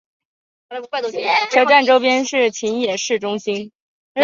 车站周边是秦野市中心。